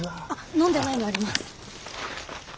飲んでないのあります。